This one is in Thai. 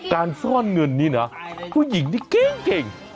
การซ่อนเงินนี่นะผู้หญิงที่เก่ง